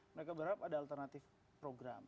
mereka berharap ada alternatif program